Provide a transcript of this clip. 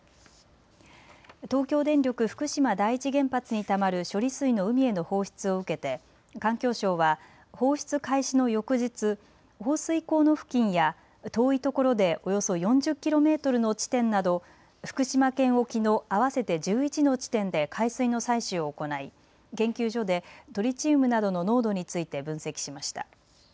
東京電力福島第一原発にたまる処理水の海への放出を受けて環境省は放出開始の翌日、放水口の付近や遠いところでおよそ４０キロメートルの地点など福島県沖の合わせて１１の地点で海水の採取を行い研究所でトリチウムなどの濃度について分析しました。